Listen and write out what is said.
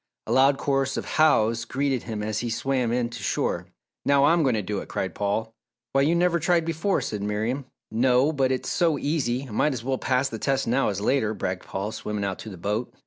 A loud chorus of "Hows" greeted him as he swam in to shore. "Now I'm going to do it!" cried Paul. "Why you never tried before," said Miriam. "No, but it's so easy! I might as well pass the test now as later," bragged Paul, swimming out to the boat.